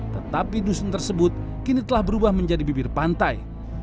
tetapi dusun tersebut kini telah berubah menjadi bibir pantai